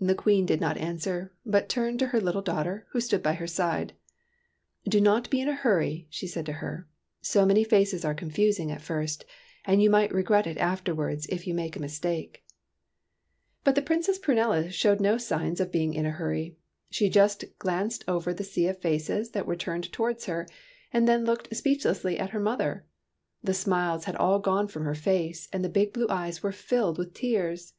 The Queen did not answer but turned to her little daughter, who stood by her side. '' Do not be in a hurry," she said to her. '' So many faces are confusing at first, and you might re gret it afterwards if you made a mistake." io6 TEARS OF PRINCESS PRUNELLA But . Princess Prunella showed no signs of being in a hurry. She just glanced over the sea of faces that were turned towards her, and then looked speechlessly at her mother. The smiles had all gone from her face, and the big blue eyes were filled with tears.